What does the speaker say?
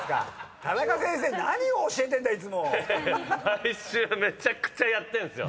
毎週めちゃくちゃやってるんすよ